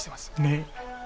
ねっ。